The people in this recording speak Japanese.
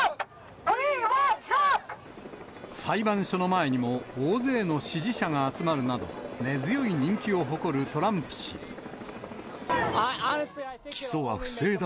裁判所の前にも大勢の支持者が集まるなど、根強い人気を誇るトラ起訴は不正だ。